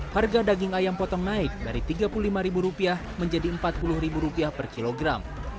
harga daging ayam potong naik dari rp tiga puluh lima menjadi rp empat puluh per kilogram